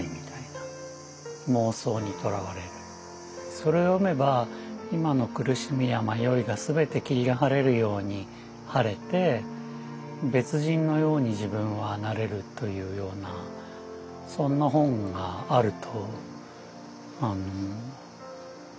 それ読めば今の苦しみや迷いが全て霧が晴れるように晴れて別人のように自分はなれるというようなそんな本があると思ったんですね。